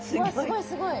すごいすごい。